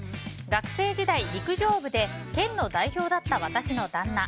学生時代、陸上部で県の代表だった私の旦那。